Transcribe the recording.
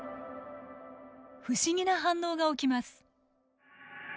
不思議な反応が起きます。